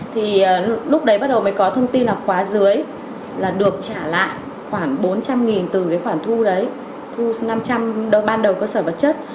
thì lúc đấy bắt đầu mới có thông tin là khóa dưới là được trả lại khoảng bốn trăm linh từ cái khoản thu đấy thu năm trăm linh ban đầu cơ sở vật chất